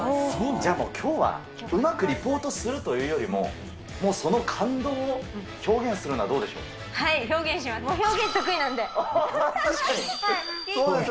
じゃあ、もうきょうは、うまくリポートするというよりは、もうその感動を表現するのはどうはい、表現します。